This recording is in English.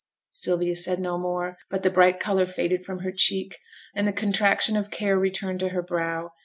Sylvia said no more, but the bright colour faded from her cheek, and the contraction of care returned to her brow.